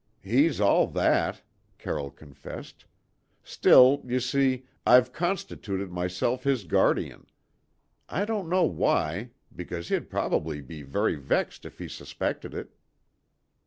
"He's all that," Carroll confessed. "Still, you see, I've constituted myself his guardian; I don't know why, because he'd probably be very vexed if he suspected it."